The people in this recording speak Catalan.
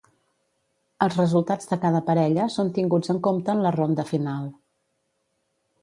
Els resultats de cada parella són tinguts en compte en la ronda final.